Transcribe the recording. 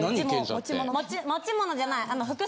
持ち物じゃない。